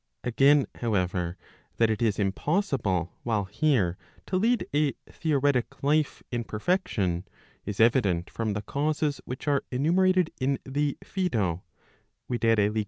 Again, however, that it is impossible while here to lead a theoretic life in perfection, is evident from the causes which are enumerated in the Phsedo, viz.